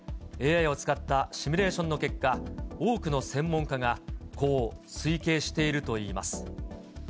ＡＩを使ったシミュレーションの結果、多くの専門家がこう推計しているといいます。